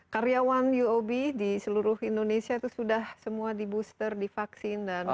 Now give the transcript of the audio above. karyawan uob di seluruh indonesia itu sudah semua di booster di vaksin dan